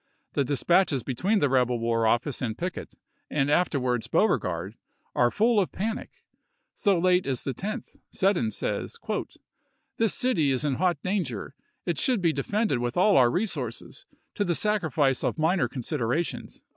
The dispatches between the rebel war office and Pickett, and afterwards Beauregard, are full of panic. So late as the 10th Seddon says :" This city is in hot danger. It should be defended with all our resources, to the sacrifice of minor considerations."